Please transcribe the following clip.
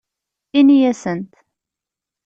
Ini-asent.